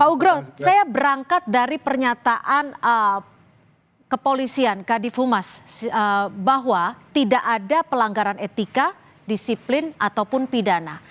pak ugro saya berangkat dari pernyataan kepolisian kadifumas bahwa tidak ada pelanggaran etika disiplin ataupun pidana